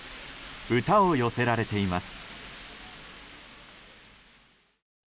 歌を寄せられています。